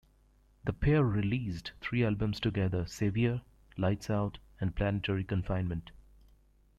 The pair released three albums together - Saviour, Lights Out and Planetary Confinement.